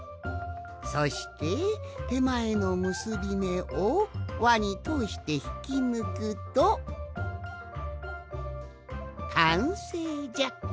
そしててまえのむすびめをわにとおしてひきぬくとかんせいじゃ。